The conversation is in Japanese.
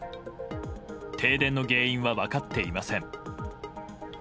停電の原因は分かっていません。